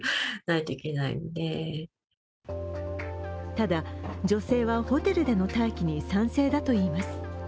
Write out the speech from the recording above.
ただ、女性はホテルでの待機に賛成だといいます。